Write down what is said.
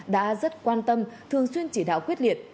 đã rất quan tâm thường xuyên chỉ đạo quyết liệt